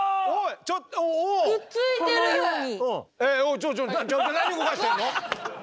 ちょちょちょっと何動かしてんの？